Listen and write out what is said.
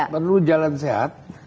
perlu jalan sehat